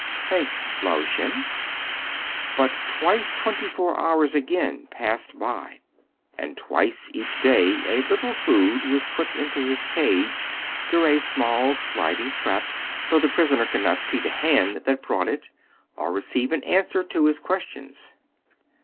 Thanks, Lao Shen !" But twice twenty four hours again passed by; and twice each day a little food was put into his cage through a small sliding trap, though the prisoner could not see the hand that brought it, or receive an answer to his ques tions.